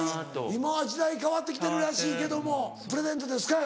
今は時代変わって来てるらしいけども「プレゼントですか？」